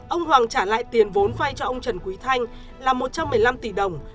ông hoàng trả lại tiền vốn vay cho ông trần quý thanh là một trăm một mươi năm tỷ đồng